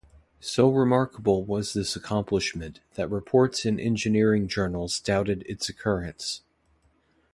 So remarkable was this accomplishment that reports in engineering journals doubted its occurrence.